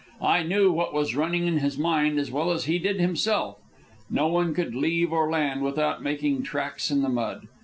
I knew what was running in his mind as well as he did himself. No one could leave or land without making tracks in the mud.